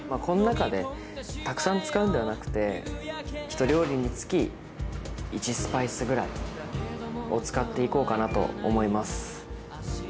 この中でたくさん使うのではなくて１料理につき１スパイスぐらいを使っていこうかなと思います。